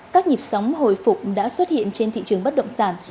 các nhịp sóng hồi phục đã xuất hiện trên thị trường bất động sản